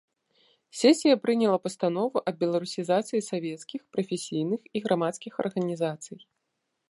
Сесія прыняла пастанову аб беларусізацыі савецкіх, прафесійных і грамадскіх арганізацый.